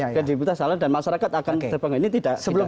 kredibilitas salah dan masyarakat akan terpengaruh ini tidak diseluruh